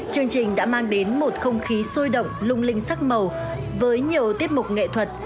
chương trình đã mang đến một không khí sôi động lung linh sắc màu với nhiều tiết mục nghệ thuật